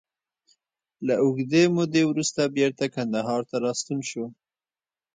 له اوږدې مودې وروسته بېرته کندهار ته راستون شو.